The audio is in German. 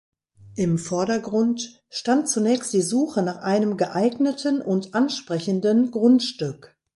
Im Vordergrund stand zunächst die Suche nach einem geeigneten und ansprechenden Grundstück.